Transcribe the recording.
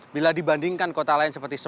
bila dibandingkan kota lain seperti